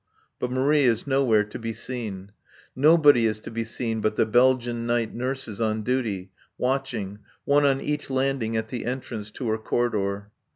But Marie is nowhere to be seen. Nobody is to be seen but the Belgian night nurses on duty, watching, one on each landing at the entrance to her corridor.